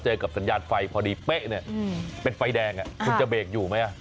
พอเจอกับสัญญาณไฟพอดีเป๊ะเป็นไฟแดงคุณจะเบรกอยู่ไหม